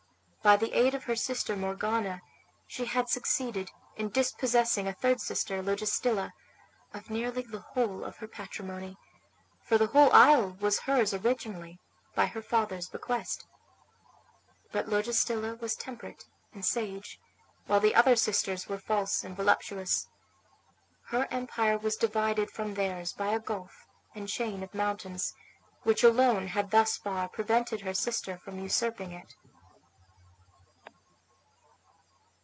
By the aid of her sister Morgana, she had succeeded in dispossessing a third sister, Logestilla, of nearly the whole of her patrimony, for the whole isle was hers originally by her father's bequest. But Logestilla was temperate and sage, while the other sisters were false and voluptuous. Her empire was divided from theirs by a gulf and chain of mountains, which alone had thus far prevented her sister from usurping it.